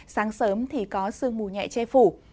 sáng sớm thì có sương mù nhẹ che phủ